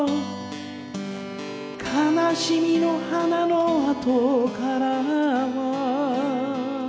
「悲しみの花の後からは」